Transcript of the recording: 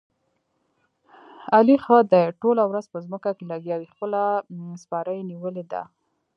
علي ښه دې ټوله ورځ په ځمکه کې لګیاوي، خپله سپاره یې نیولې ده.